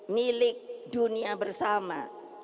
milik dunia bersama